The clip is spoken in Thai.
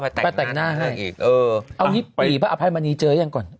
มาแต่งหน้าให้อีกเออเอางี้ปรีพระอภัยมณีเจอยังก่อน